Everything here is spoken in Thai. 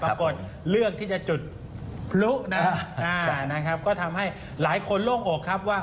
ปรากฏเลือกที่จะจุดพลุนะนะครับก็ทำให้หลายคนโล่งอกครับว่า